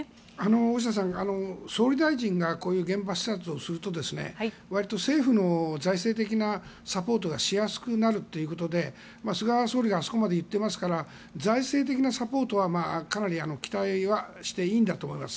大下さん、総理大臣がこういう現場視察をするとわりと政府の財政的なサポートがしやすくなるということで菅総理があそこまで行っていますから財政的なサポートはかなり期待はしていいんだと思います。